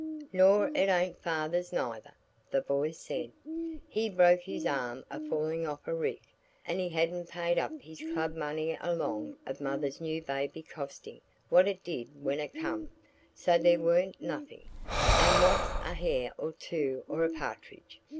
"Nor it ain't father's neither," the boy said; "he broke his arm a falling off of a rick, and he hadn't paid up his club money along of mother's new baby costing what it did when it come, so there warn't nothing–and what's a hare or two or a partridge?